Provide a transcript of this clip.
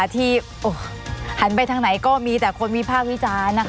ที่หันไปทางไหนก็มีแต่คนวิพากษ์วิจารณ์